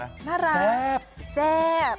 น่ารักแซ่บ